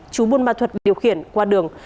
chú môn ma thuật điều khiển qua đường